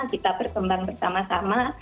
kita berkembang bersama sama